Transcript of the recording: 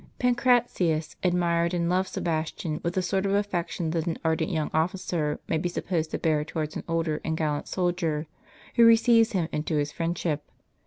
Pan cratius admired and loved Sebastian with the sort of affection that an ardent young officer may be supposed to bear towards an older and gallant soldier, who receives him into his friend ship.